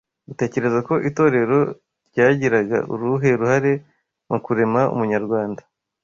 Utekereza ko itorero ryagiraga uruhe ruhare mu kurema Umunyarwanda